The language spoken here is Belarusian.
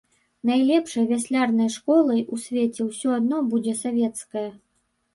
Найлепшай вяслярнай школай у свеце ўсё адно будзе савецкая.